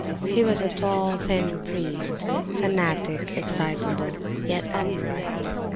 He was a tall, thin priest, fanatic, excitable, yet upright.